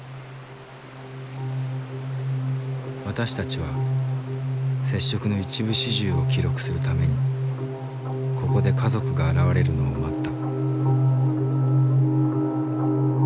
私たちは接触の一部始終を記録するためにここで家族が現れるのを待った。